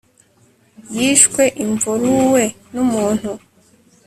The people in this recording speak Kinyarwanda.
yiswe involuwe ni umuntu